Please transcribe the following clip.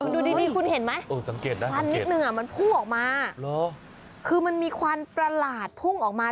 ดูดีคุณเห็นไหมควันนิดนึงมันพุ่งออกมาคือมันมีควันประหลาดพุ่งออกมา